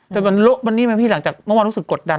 แต่วันนี้ไหมพี่หลังจากเมื่อวานรู้สึกกดดัน